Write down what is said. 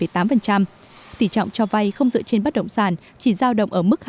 tỷ trọng cho vay không dựa trên bất động sản chỉ giao động ở mức hai mươi năm ba mươi